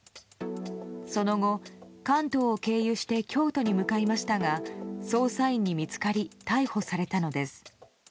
その後、関東を経由して京都に向かいましたが捜査員に見つかり逮捕されたのです。